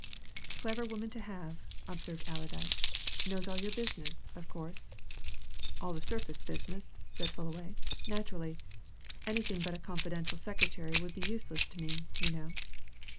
"Clever woman to have," observed Allerdyke; "knows all your business, of course?" "All the surface business," said Fullaway, "naturally! Anything but a confidential secretary would be useless to me, you know."